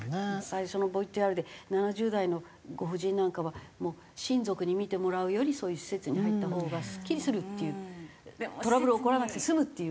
最初のＶＴＲで７０代のご婦人なんかはもう親族に見てもらうよりそういう施設に入ったほうがすっきりするっていうトラブル起こらなくて済むっていう。